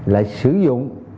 lại sử dụng